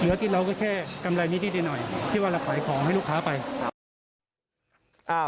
เหลือติดเราก็แค่กำไรนิดหน่อยที่ว่าเราขายของให้ลูกค้าไป